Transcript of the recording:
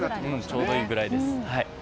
ちょうどいいぐらいです。